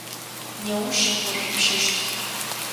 Неущ ошъопщэщт.